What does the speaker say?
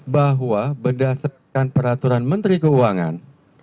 bahwa berdasarkan peraturan menteri keuangan